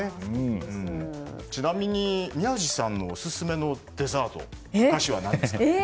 ちなみに宮司さんのオススメのデザートお菓子は何ですか？